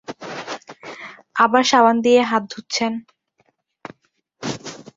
আবার সাবান দিয়ে হাত ধুচ্ছেন।